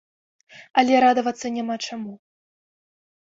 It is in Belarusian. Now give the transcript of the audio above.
Але радавацца няма чаму.